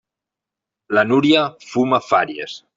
La Núria fuma fàries.